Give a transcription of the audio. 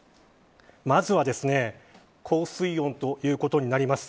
まずは、高水温ということになります。